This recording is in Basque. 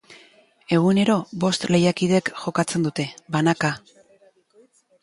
Egunero bost lehiakidek jokatzen dute, banaka.